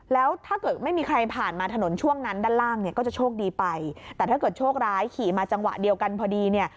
แล้วถ้าเกิดไม่มีใครผ่านมาถนนช่วงนั้นด้านล่างเนี่ยก็จะโชคดีไปแต่ถ้าเกิดโชคร้ายขี่มาจังหวะเดียวกันพอดีเนี่ย